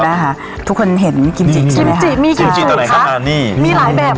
นะฮะทุกคนเห็นกิมจินี่นี่มีกิมจิตัวไหนคะอ่านี่มีหลายแบบ